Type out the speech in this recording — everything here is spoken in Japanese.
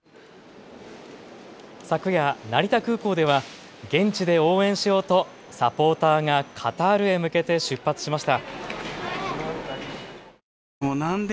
昨夜、成田空港では現地で応援しようとサポーターがカタールへ向けて出発しました。